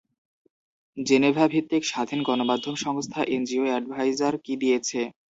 জেনেভাভিত্তিক স্বাধীন গণমাধ্যম সংস্থা এনজিও অ্যাডভাইজার কি দিয়েছে?